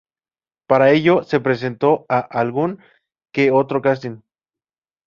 Para ello, se presentó a algún que otro casting.